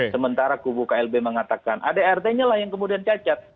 sementara kubu klb mengatakan adrt nya lah yang kemudian cacat